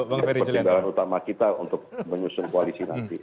pertimbangan utama kita untuk menyusun koalisi nanti